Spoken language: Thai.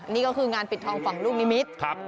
นี่ก็คืองานปิดทองฝั่งลูกนิมิตร